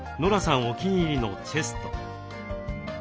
お気に入りのチェスト。